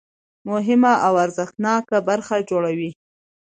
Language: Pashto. مهمه او ارزښتناکه برخه جوړوي.